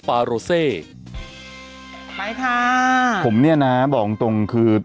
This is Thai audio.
ไปค่ะผมนี่นะเบาออกจริงคือ